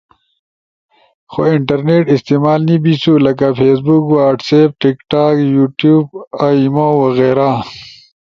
خو انٹرنیٹ استعمال نی بیسو۔ لکہ فیسبک، واٹس ایپ ، ٹک ٹاک، یوٹیوب ، آئی مو وغیرہ